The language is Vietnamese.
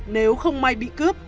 nếu không may bị cướp